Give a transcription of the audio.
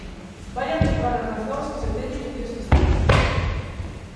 Vaian comprobar as razóns que se teñen en días festivos.